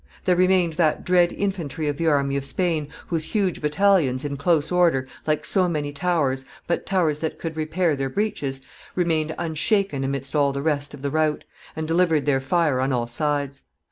There remained that dread infantry of the army of Spain, whose huge battalions, in close order, like so many towers, but towers that could repair their breaches, remained unshaken amidst all the rest of the rout, and delivered their fire on all sides.